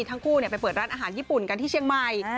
ทั้งคู่ไปเปิดร้านอาหารญี่ปุ่นกันที่เชียงใหม่